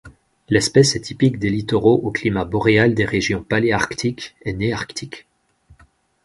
L'espèce est typique des littoraux au climat boréal des régions paléarctique et néarctique.